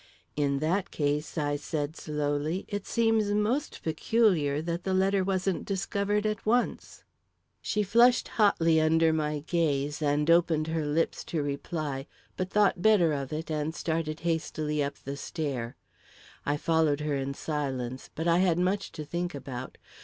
"In that case," I said slowly, "it seems most peculiar that the letter wasn't discovered at once." She flushed hotly under my gaze and opened her lips to reply, but thought better of it and started hastily up the stair. I followed her in silence; but I had much to think about.